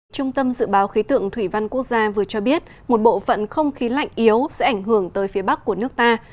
trung tâm dự báo khí tượng thủy văn quốc gia vừa cho biết một bộ phận không khí lạnh yếu sẽ ảnh hưởng tới phía bắc của nước ta